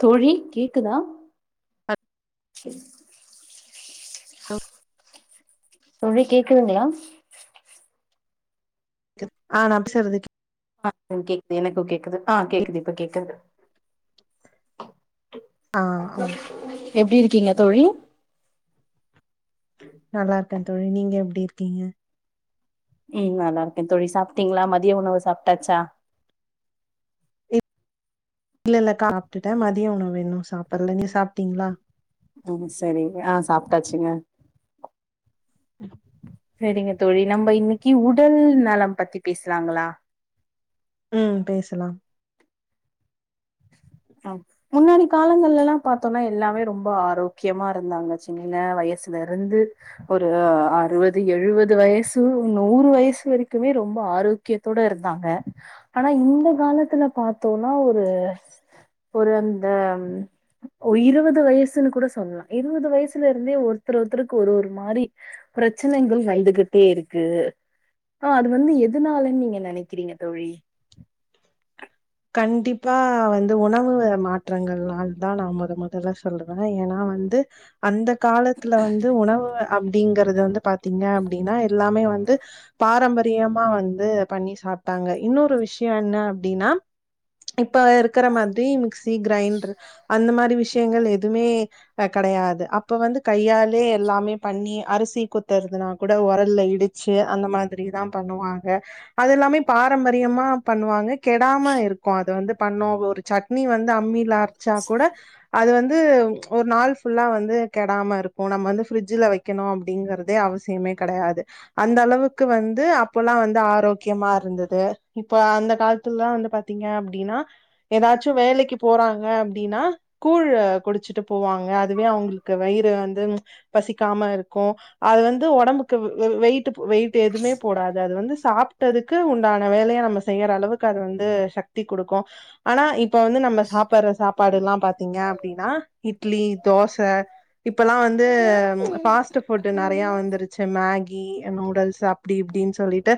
தோழி கேக்குதா ஹலோ சேர் தோழி கேக்குதுங்களா துப் ஆனா நா பேசுறதுப் ஆ கேக்குது எனக்கு கேக்குது ஆ கேக்குது இப்ப கேக்கற்து ஆ ஓகே எப்டி இருக்கீங்க தோழி நல்லாருக்கே தோழி நீங்க எப்டி இருக்கீங்க ம் நல்லாருக்கே தோழி சாப்ட்டீங்களா மதிய உணவு சாப்ட்டாச்சா இல்லல்லக்கா சாப்ட்டுட்டே மதிய உணவு இன்னோ சாப்பல்ல நீ சாப்ட்டீங்களா ம் சரி ஆ சாப்ட்டாச்சுங்க [inaudible] சரிங்க தோழி நம்ம இன்னைக்கு உடல் நலம் பத்தி பேசலாங்களா ம் பேசலா ஆ முன்னாடி காலங்கள் எல்லா பாத்தோம்னா எல்லாமே ரொம்ப ஆரோக்கியமா இருந்தாங்க சின்ன வயசுல இருந்து ஒரு அறுவது எழுவது வயசு நூறு வயசு வரைக்குமே ரொம்ப ஆரோக் க்கியத்தோட இருந்தாங்க ஆனா இந்த காலத்துல பாத்தோனா ஒரு ஒரு அந்த ஒ இருவது வயசுனு கூட சொல்லா இருவது வயசுலருந்தே ஒருத்தர் ஒருத்தருக்கு ஒரு ஒரு மாரி பிரச்சனகள் வந்துகிட்டே இருக்கு ஆ அது வந்து எதுனாலனு நீங்க நெனைக்கிறீங்க தோழி கண்டிப்பா வந்து உணவு மாற்றங்கள்னாள்தா நா மொத மொதல்ல சொல்ற ஏனா வந்து அந்த காலத்துல வந்து உணவு அப்டிங்கறது வந்து பாத்தீங்க அப்டினா எல்லாமே வந்து பாரம்பரியமா வந்து பண்ணி சாப்ட்டாங்க இன்னொரு விஷ்யோ என்ன அப்டினா இப்ப இருக்கற மாதிரி மிக்சி கிரைண்டர் அந்த மாரி விஷ்யங்கள் எதுமே கெடையாது அப்ப வந்து கையாலயே எல்லாமே பண்ணி அரிசி குத்தறதுனா கூட ஒரல்ல இடி ச்சு அந்த மாதிரிதா பண்ணுவாங்க அதெல்லாமே பாரம்பரியமா பண்ணுவாங்க கெடாம இரு க்கு அத வந்து பண்ணோ ஒரு சட்னி வந்து அம்மில அரச்சா கூட அது வந்து ஒரு நாள் ஃபுல்லா வந்து கெடாம இருக்கு நம்ம வந்து ஃபிரிஜ்ஜில வெக்கணு அப்டிங்கறதே அவசியமே கெடையாது அந்த அளவுக்கு வந்து அப்போல்லா வந்து ஆரோக்கியமா இருந்தது இப்ப அந்த காலத்துலல்லா வந்து பாத் தீங்க அப்டினா எதாச்சு வேலைக்கு போறாங்க அப்டினா கூழு குடிச்சிட்டு போவாங்க அதுவே அவுங்களுக்கு வயிறு வந்து பசிக்காம இருக்கு அது வந்து ஒடம்புக்கு வெயிட் வெயிட் எதுமே போடாது அது வந்து சாப்ட்டதுக்கு உண்டான வேலய நம்ம செய்யற அளவு க்கு அது வந்து சக்தி குடுக்கு ஆனா இப்ப வந்து நம்ம சாப்பற சாப்பாடெல்லா பாத்தீங்க அப்டினா இட்லி, தோச இப்பல்லா வந்து ஃபாஸ்ட் ஃபுட் நெறயா வந்துருச்சு மே கி, நூடுல்ஸ் அப்டி இப்டின்னு சொல்லிட்டு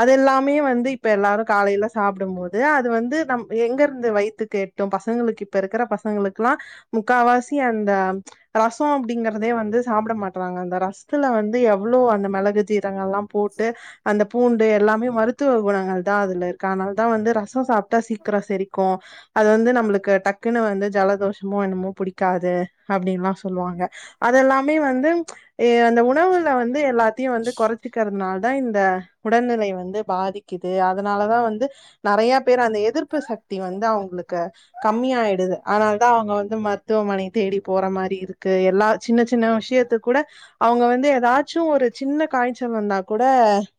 அதெல்லாமே வந்து இப்ப எல்லாரு காலைல சாப்டும்போது அது வந்து நம் எங்க இருந்து வயித்துக்கு எட்டு பசங்களுக்கு இப்ப இருக்கற பசங்களுக்கெல்லா முக்காவாசி அந்த ரசோ அப்டிங்கறதே வந்து சாப்ட மாட்றாங்க அந்த ரசத்துல வந்து எவ்ளோ அந்த மெளகு, ஜீ ரகத்ல்லா போட்டு அந்த பூண்டு எல்லாமே மருத்துவ குணங்கள் தா அதுல இருக்கு அதனால்தா வந்து ரஸ் ரசோ சாப்ட்டா சீக்கிரோ செரிக்கு அது வந்து நம்ளுக்கு டக்குன்னு வந்து ஜலதோஷமோ என்னமோ புடிக்காது அப்டின்னல்லா சொல்லுவாங்க அதெல்லாமே வந்து எ அந்த உணவுல வந்து எல்லாத்தையு வந்து கொறச்சுக்கிறதுனாலதா இந்த உடல்நிலை வந்து பாதி க்குது அதனாலதா வந்து நெறயா பேர் அந்த எதிர்ப்பு சக்தி வந்து அவுங்களுக்கு கம்ம ஆயிடுது அதனாலதா அவுங்க வந்து மருத்துவமனைய தேடி போற மாரி இபடி இருக்கு எல்லா சின்ன சின்ன விஷ்யத்து கூட அவுங்க வந்து எதாச்சு ஒரு சின்ன காய்ச்சல் வந்தா கூட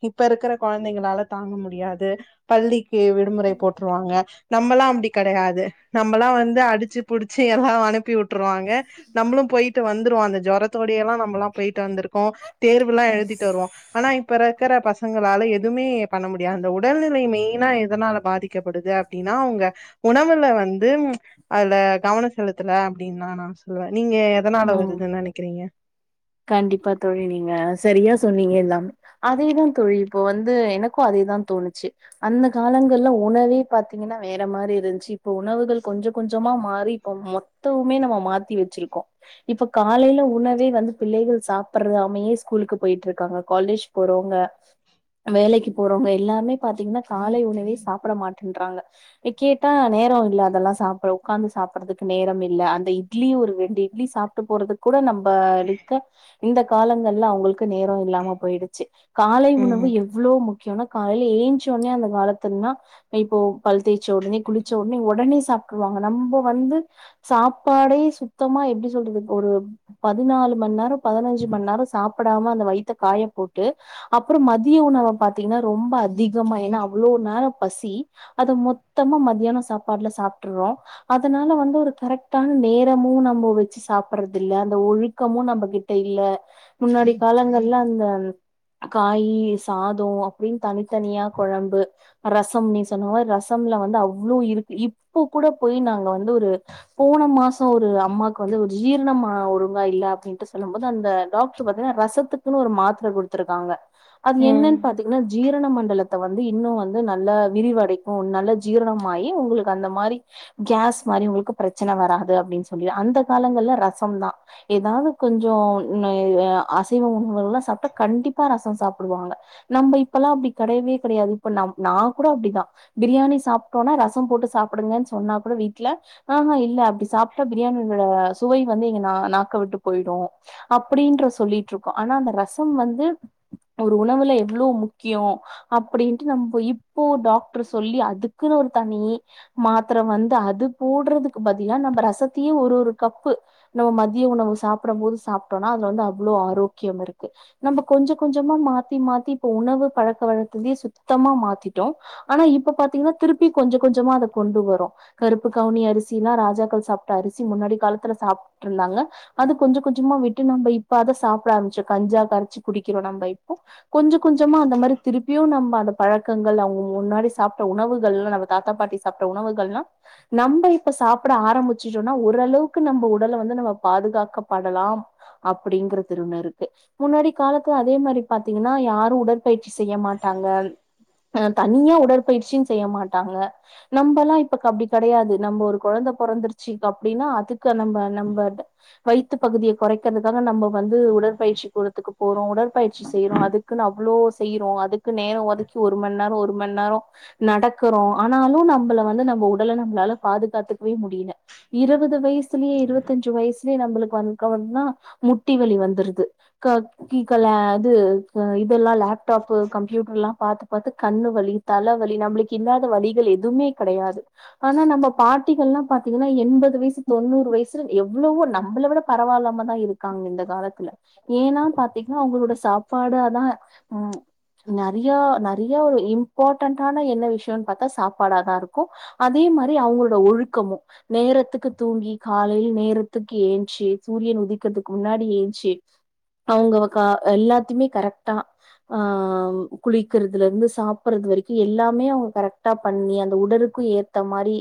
இப்ப இருக்கற கொழந்தைங்களால தாங்க முடியாது பள்ளிக்கு விடுமுறை போட்ருவாங்க நம்மல்லா அப்டி கெடையாது நம்மல்லா வந்து அடிச்சு புடுச்சு எல்லா அனுப்பி வி ட்ருவாங்க நம்மளும் போயிட்டு வந்துருவோ அந்த ஜொரத்தோடயே எல்லா நம்மல்லா போயிட்டு வந்திருக்கோ தேர்வெல்லா எழுதிட்டு வருவோ ஆனா இப்ப இருக்கற பசங்களால எதுமே பண்ண முடியாது அந்த உடல்நிலை மெயினா எதனால பாதி க்கப்படுது அப்டினா அவுங்க உணவுல வந்து அதுல கவனோ செலுத்தல அப்டின்னு நா சொல்லுவ நீங்க எதனால ம் வருதுன்னு நெனைக்கிறீங்க கண்டிப்பா தோழி நீங்க சரியா சொன்னீங்க எல்லாம் அதேதா தோழி இப்போ வந்து எனக்கு அதே தா தோணுச்சு அந்த காலங்கள்ல உணவே பாத்தீங்கன்னா வேற மாரி இருந்ச்சி இப்ப உணவுகள் கொஞ்ச கொஞ்சமா மாறி ம் மொத்தவுமே நம்ம மாத்தி வெச்சிருக்கோ இப்ப காலையில உணவே வந்து பிள்ளைகள் சாப்பற்றாமயே ஸ்கூலுக்கு போயிட்டு இருக்காங்க காலேஜ் போறவங்க வேலைக்கு போறவங்க எல்லார்மே பாத்தீங்கன்னா காலை உணவே சாப்பிட மாட்டேன்றாங்க கேட்டா நேரோ இல்ல அதெல்லா சாப்பட உக்காந்து சாப்புடுறதுக்கு நேரம் இல்ல அந்த இட்லி ஒரு ரெண்டு இட்லி சாப் ட்டு போறதுக்கூட நம்ப இருக்க இந்த காலங்கள்ல அவங்களுக் கு நேரோ இல்லாம போயிடுச்சு காலை உணவு ம். எவ்ளோ முக் கியோனா காலையில ஏஞ்சு ஒட்னே அந்த காலத்துன்னா இப்போ பல் தேச்ச ஒட்னே குளிச்ச ஒட்னே ஒடனே சாப்ட்ருவாங்க நம்ப வந்து சாப்பாடே சுத்தமா எப்டி சொல்றது ஒரு பதிநாலு மண் நேர பதினஞ்சு மண் நேரோ சாப்பிடாம அந்த வயித்த காயப்போட்டு அப்புறோ மத்திய உணவ பாத்தீங்கன்னா ரொம்ப அதிகமா ஏன்னா அவ்ளோ நேர பசி அது மொத்தமா மதியான சாப்பாடுல சாப்ட்டுறோ அதனால வந்து ஒரு கரெக்டான நேரமு நம்ம வெச்சு சாப்புட்றது இல்ல அந்த ஒழு கமு நம்ம கிட்ட இல்ல முன்னாடி காலங்கள்ல அந்த காயி சாதோ அப்டின் தனித்தனியா கொழம்பு ரசம் நீ சொன்ன மாரி ரசம்ல வந்து அவ்ளோ இருக்கு இப்போ கூட போய் நாங்க வந்து ஒரு போன மாசம் ஒரு அம்மாக்கு வந்து ஒரு ஜீரணமா ஒரு வா இல்ல அப்டின்ட்டு சொல்லும் போது அந்த டாக்டர் பாத்தீங்கன்னா ரசத்துக்குன்னு ஒரு மாத்திர குடுத்துருக்காங்க அது என்னன் ம். பாத்தீங்கன்னா ஜீரண மண்டலத் த வந்து இன்னு வந்து நல்ல விரிவடைக்கு நல்ல ஜீரணமாயி உங்களுக்கு அந்த மாரி கேஸ் மாரி உங்களுக்கு பிரச்சன வராது அப்டின்னு சொல்லி அந்த காலங்கள்ல ரசம்தா ஏதாவ்து கொஞ்சோ னுய் அ அசைவ உணவுகள் எல்லா சாப்ட்டா கண்டிப்பா ரசோ சாப்புடுவாங்க நம்ப இப்பெல்லா அப்டி கெடையவே கெடையாது இப்ப நா நா கூட அப்டிதா பிரியாணி சாப்ட்டோனா ரச போட்டு சாப்புடுங்கன்னு சொன்னா கூட வீட்ல அஹா இல்ல அப்டி சாப்ட்டா பிரியாணிணோட சுவை வந்து இங்க நா நா க்க விட்டு போயிடு அப்டின்ற சொல்லிட்ருக்கோ ஆனா அந்த ரசம் வந்து ஒரு உணவுல எவ்ளோ முக்கியோ அப்டின்ட்டு நம்ப இப்போ டாக்டர் சொல்லி அதுக்குன்னு ஒரு தனி மாத்திர வந்து அது போடுறதுக்கு பதிலா நம்ம ரசத்துலயே ஒரு ஒரு கப்பு நம்ம மத் திய உணவு சாப்புட போது சாப்ட்டோனா அதுல வந்து அவ்ளோ ஆரோக்கியம் இருக்கு நம்ம கொஞ்ச கொஞ்சமா மாத்தி மாத்தி இப்ப உணவு பழக்க வழக்கத்ததையே சுத்தமா மாத்திட்டோ ஆனா இப்ப பாத்தீங்கன்னா திருப்பி கொஞ்ச கொஞ்சமா அத கொண்டு வரோ கருப்பு கவுனி அரிசில்லா ராஜாக்கள் சாப்ட்ட அரிசி முன்னாடி காலத்துல சாப்ட்டுருந்தாங்க அது கொஞ்ச கொஞ்சமா விட்டு நம்ப இப்ப அத சாப்ட ஆரம்பிச்சா கஞ்சா கரிச்சு குடிக்கிறோ நம்ப இப்போ கொஞ்ச கொஞ்சமா அந்த மாரி திருப்பியு நம்ப அந்த பழக்கங்கள் அவங்க முன்னாடி சாப்ட்ட உணவுகள்ல நாம தாத்தா பாட்டி சா உணவுகள்னா நம்ப இப்ப சாப்ட ஆரம்பிச்சிட்டோனா ஓரளவுக்கு நம்ப உடல வந்து நம்ம பாதுகாக்கப்படலாம் அப்டிங்கற திருண இருக்கு முன்னாடி காலத்துல அதே மாரி பாத்தீங்கன்னா யாரு உடற்பயிற்சி செய்ய மாட்டாங்க அ தனியா உடற்பயிற்சின்னு செய்ய மாட்டாங்க நம்ம்பமல்லா இப்பக்கு அப்டி கெடையாது நம்ம ஒரு கொழந்தை பொறந்துருச்ச அப்டின்னா அதுக்கு நம்ம நம்ப அத வயித்து பகுதிய கொறக்கிறதுக்காக நம்ம வந்து உடற்பயிற்சி கூடத்துக்கு போறோ உடற்பயிற்சி செய்யுறோ அது க்குன்னு அவ்ளோ செய்றோ அதுக்கு நேரோ ஒதுக்கி ஒரு மணீ நேரோ ஒரு மண் நேரோ நடக்கறோ ஆனாலு நம்பள வந்து நம்ப உ இப்பலா நம்மளால பாதுகாத்துக்கவே முடியல இருவது வயசுலயே இருவத்தஞ்சு வயசு நம்மளுக்கு வன்னா முட்டி வலி வந்துருது தீக்கல அது இதெல்லாம் லேப்டாப் கம்ப்யூட்டர் எல்லா பாத்து பாத்து கண்ணு வலி தலவலி நம்மளுக்கு இல்லாத வலிகள் எதுமே கெடையாது ஆனா நம்ம பாட்டிகள்லா பாத்தீங்கன்னா எண்பது வயசு தொண்ணூறு வயசுல எவ்ளோவோ நம் நம்மள விட பரவால்லாம தா இருக்காங்க இந்த காலத்துல ஏனா பாத்தீங்ன்னா அவங்களோட சாப்பாட அதா ம் நறியா நறியா ஒரு இம்பார்ட்டன்டான என்ன விஷயனு பாத்தா சாப்பாடாதா இருக்கு அதே மாரி அவங்களோட ஒழுக்கமு நேரத்துக்கு தூங்கி காலையில நேரத்துக் ஏன்ச்சு சூரியன் உதிக்கிறதுக்கு முன்னாடி ஏன்ச்சு அவங்க க எல்லாத்தையுமே கரெக்டா ஆ குளிக்கிறதுல இருந்து சாப்பறது வரைக்கு எல்லாமே அவங்க கரெக்டா பண்ணி அந்த உடலுக்கு ஏத் இந்தமாரி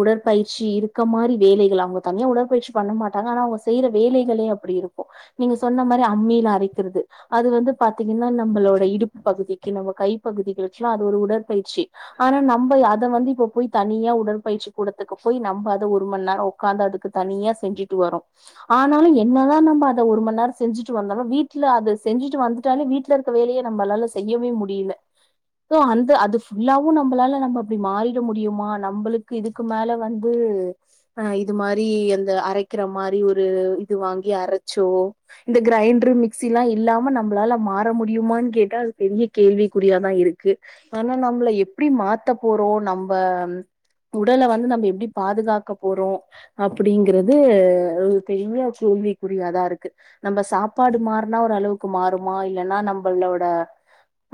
உடற்பயிற்சி இருக்க மாரி வேலைகள் அவங்க தனியா உடற்பயிற்சி பண்ண மாட்டாங்க ஆனா அவங்க செய்யற வேலைகளே அப்படி இருக்கு நீங்க சொன்ன மாரி அம்மில அரைக்கிறது அது வந்து பாத்தீங்கன்னா நம்பளோட இடுப்பு பகுதிக்கு நம்ம கைப்பகுதிகளுக்குல்லா அது ஒரு உடற் பயிற்சி ஆனா நம்ப அத வந்து இப்ப போய் தனியா உடற்பயிற்சி கூடத்துக்கு போய் நம்ப அத ஒரு மணி நேரோ உக்காந்து அதுக்கு தனியா செஞ்சுட்டு வரோ ஆனாலு என்னதா நம்ப அத ஒரு மணி நேரம் செஞ்சுட்டு வந்தாலு வீட்ல அத செஞ்சிட்டு வந்துட்டாலே வீட்டு வீட்ல இருக்க வேலையே நம்பளால செய்யவே முடியல தோ அந்த அது ஃபுல்லாவு நம்பளால நம்ம அப்படி மாறிட முடியுமா நம்பளுக்கு இதுக் க்கு மேல வந்து இது மாரி அந்த அரைக்கிற மாரி ஒரு இது வாங்கி அரச்சோ இந்த கிரைண்டரு மிக்சி எல்லா இல்லாம நம்பளால மாற முடியுமானு கேட்டா அது பெரிய கேள்விக்குறியாதா இருக்கு ஆனா நம்மள எப்டி மாத்த போறோ நம்ப உடல வந்து நம்ம எப்டி பாதுகாக்க போறோ அப்டிங்கிறது வந்து பெரிய கேள்விக்குரியாதா இருக்கு நம்ப சாப்பாடு மாறுனா ஒரு அளவுக்கு மாறுமா இல்லன்னா நம்பளோட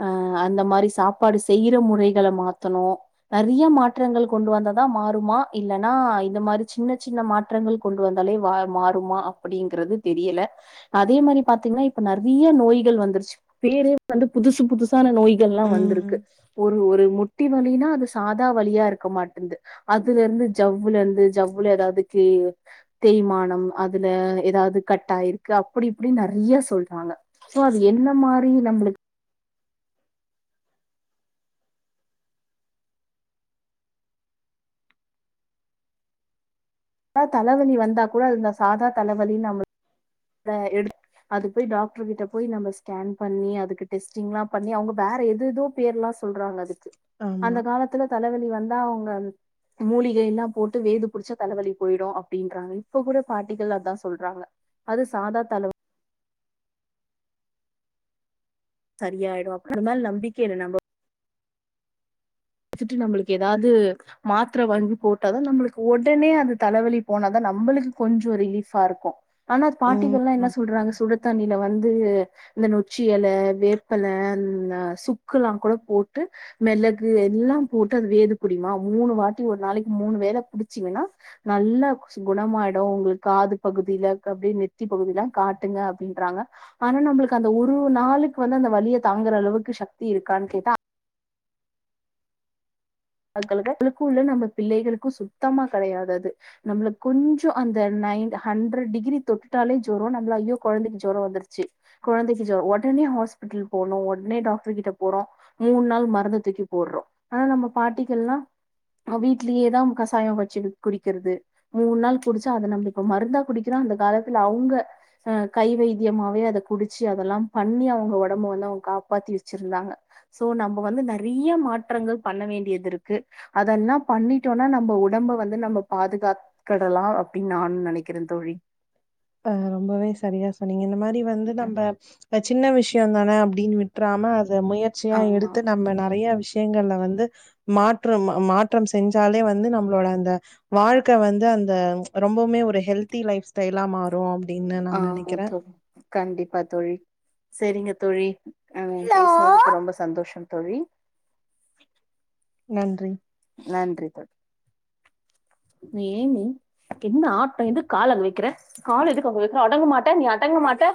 அ அந்த மாரி சாப்பாடு செய்யற முறைகள மாத்தணு நறிய மாற்றங்கள் கொண்டு வந்ததா மாறுமா இல்லன்னா இந்த மாரி சின்ன சின்ன மாற்றங்கள் கொண்டு வந்தாலே மாறுமா அப்டிங்கறது தெரியல அதே மாரி பாத்தீங்கன்னா இப்ப நறிய நோய்கள் வந்துருச்சு பேரே வந்து புதுசு புதுசு புத்தான நோய்கள்லா வந்திருக்கு ம். ஒரு ஒரு முட்டி வலினா அது சாதா வலியா இருக்க மாட்டுன்து அதுல இருந்து ஜவ்வுல இருந்து ஜவ்வுல ஏதாவது கிளி தேய்மானம் அதுல ஏதாது கட் ஆயிருக்கு அப்டி இப்டினு நறிய சொல்றாங்க சோ அது என்ன மாரி நம்மளுக் அ தலவலி வந்தா கூட அந்த சாதா தலவலின் நம்ம அத எடுத் அது போய் டாக்டர் கிட்ட போய் நம்ம ஸ்கேன் பண்ணி அதுக்கு டெஸ்டிங் எல்லா பண்ணி அவங்க வேற எது எதோ பேர்ல்லா சொல்றாங்க அதுக்கு ஆமா. அந்த காலத்துல தலவலி வந்தா அவங்க மூலிகை எல்லா போட்டு வேது புடிச்சா தலைவலி போயிடு அப்டின்றாங்க இப்ப கூட பாட்டிகள் அதா சொல்றாங்க அது சாதா தலவ சரியாயிடு அப்ப நம்மேல நம்பிக்க இல்ல நம்ப வச்சட்டு நம்மளுக்கு ஏதாது மாத்திர வங்கி போட்டாதா நம்மளுக்கு ஒடனே அது தலவலி போனாதா நம்மளுக்கு கொஞ்ச ரிலீஃபா இருக்கு ஆனா பாட்டிகள்லா ம். என்ன சொல்றாங்க சுடுதண்ணியில வந்து இந்த நொச்சி எல வேப்பல அந்த சுக்குலா கூட போட்டு மெளகு எல்லா போட்டு அது வேது புடிமா மூணு வாட்டி ஒரு நாளக்கி மூணு வேல புடிச்சிங்கன்னா நல்லா குணமாயிடு உங்ளு காது பகுதில அப்டியே நெத்தி பகுதிலா காட்டுங்க அப்டின்றாங்க ஆனா நம்ளுக்கு அந்த ஒரு நாளுக்கு வந்து அந்த வலிய தாங்குற அளவுக்கு சக்தி இருக்கான் கேட்டா [inaudible] ளுக்குள்ள நம்ப பிள்ளைகளுக்கு சுத்தமா கெடயாது அது நம்ளுக்கு கொஞ்சோ அந்த நைன் ஹண்ட்ரட் டிகிரி தொட்டுட்டாலே ஜொரோ நம்ள ஐயோ கொழந்தைக்கு ஜொரோ வந்துருச்சு கொழந்தைக்கி ஜொ ஒடனே ஹாஸ்பிட்டல் போனு ஒடனே டாக்டர் கிட்ட போறோ மூண் நாள் மருந்த தூக்கி போட்றோ ஆனா நம்ம பாட்டிகள்லா வீட்லயேதா கசாயம் வச்சு குடிக்கிறது மூண் நாள் குடிச்சா அத நம்ப இப்ப மருந்தா குடிக்கிறோ அந்த காலத்துல அவுங்க ஆ கை வைதியமாவே அத குடிச்சு அதெல்லா பண்ணி அவுங்க ஒடம்ப வந்து அவுங்க காப்பாத்தி வச்சிருந்தாங்க ஸோ நம்ப வந்து நறைய மாற்றங்கள் பண்ண வேண்டியதிருக்கு அதெல்லா பண்ணிட்டோனா நம்ப உடம்ப வந்து நம்ம பாதுகாக் கடலா அப்டின் நானு நெனைக்கிறே தோழி ஆ ரொம்பவே சரியா சொன்னீங்க இந்த மாரி வந்து ம். நம்ப சின்ன விஷ்யோ தான அப்டின் விட்றாம அத முயற்சியா ஆமா எடுத்து நம்ம நறைய விஷ் யங்கள்ல வந்து மாற்றம் மாற்றம் செஞ்சாலே வந்து நம்ளோட அந்த வாழ்க்க வந்து அந்த ரொம்போவுமே ஒரு ஹெல்தி லைஃப் ஸ்டைலா மாறு அப்டின்னு நா ஆமா நெனைக்கிறே கண்டிப்பா தோழி சேரிங்க தோழி ஆ பேசுனதுக்கு ரொம்ப சந்தோஷோ தோழி நன்றி நன்றி தோழி ஏமி என்ன ஆட்டோ எதுகு கால அங்க வைக்கிற கால எதுக்கு அங்க வைக்கிற அடங்க மாட்டே நீ அடங்க மாட்டே